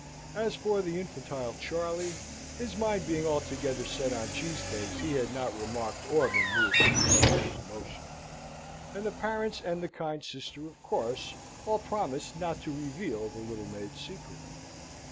As for the infantile Charley, his mind being altogether set on cheese cakes, he had not remarked or been moved by Miss Hester's emotion; and the parents and the kind sister of course all promised not to reveal the little maid's secret.